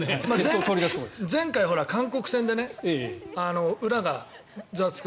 前回、韓国戦で裏が「ザワつく！